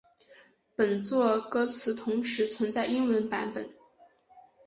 本作歌词同时存在英文版本。